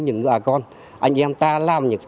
những người con anh em ta làm